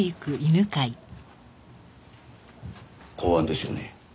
公安ですよね？